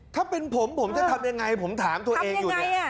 ถ้าเป็นผมผมจะทำยังไงผมถามตัวเองอยู่เนี่ย